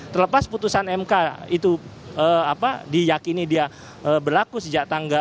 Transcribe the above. terlepas putusan mk itu diyakini dia berlaku sejak tanggal